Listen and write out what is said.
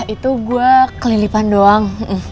itu gue kelilipan doang